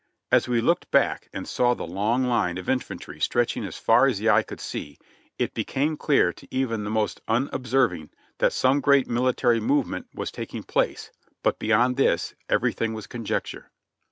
As we looked back and saw the long line of infantry stretching out as far as the eye could reach, it became clear to even the most unobserving that some great mili tary movement was taking place, but beyond this everything was conjecture.